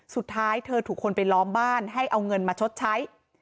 สุดท้ายเธอถูกคนไปล้อมบ้านให้เอาเงินมาชดใช้